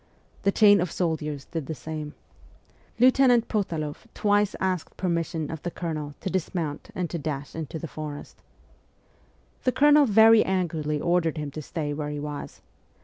The chain of soldiers did the same. Lieutenant Potaloff twice asked permission of the Colonel to dismount and to dash into the forest. The Colonel very angrily ordered him to stay where he was.